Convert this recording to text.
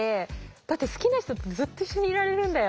だって好きな人とずっと一緒にいられるんだよ。